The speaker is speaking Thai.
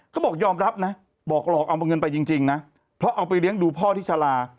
เขาบอกยอมรับนะบอกหลอกเอาเงินไปจริงนะเพราะเอาไปเลี้ยงดูพ่อที่ชาลา